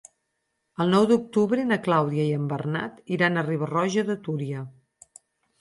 El nou d'octubre na Clàudia i en Bernat iran a Riba-roja de Túria.